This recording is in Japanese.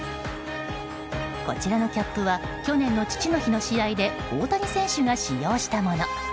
こちらのキャップは去年の父の日の試合で大谷選手が使用したもの。